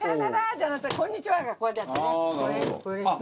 じゃなくて「こんにちは！」。こうやってやってねこれね。